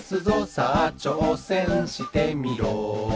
「さあちょうせんしてみろ」